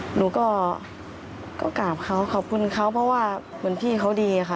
หนูก็กราบเขาขอบคุณเขาเพราะว่าเหมือนพี่เขาดีค่ะ